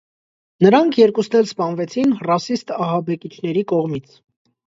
Նրանք երկուսն էլ սպանվեցին ռասիստահաբեկիչների կողմից։